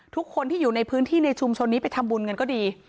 ทุกคนที่อยู่ในพื้นที่ในชุมชนนี้ไปทำบุญกันก็ดี